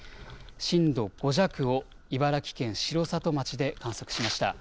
震度５弱を茨城県城里町で観測しました。